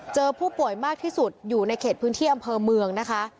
เจอผู้ป่วยมากที่สุดอยู่ในเขตพื้นที่อำเภอเมืองนะคะ